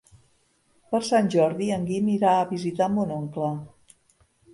Per Sant Jordi en Guim irà a visitar mon oncle.